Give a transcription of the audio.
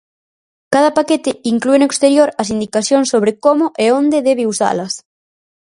Cada paquete inclúe no exterior as indicacións sobre como e onde debe usalas.